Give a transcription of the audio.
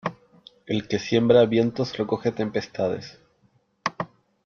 El que siembra vientos recoge tempestades.